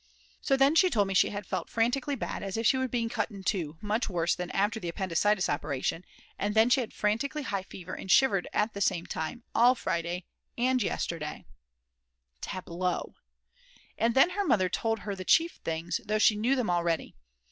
So then she told me that she had felt frantically bad, as if she was being cut in two, much worse than after the appendicitis operation, and then she had frantically high fever and shivered at the same time, all Friday, and yesterday tableau!! And then her mother told her the chief things, though she knew them already.